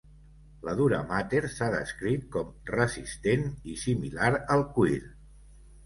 La duramàter s'ha descrit com "resistent" i "similar al cuir".